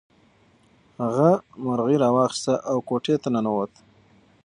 هغه مرغۍ راواخیسته او کوټې ته ننووت.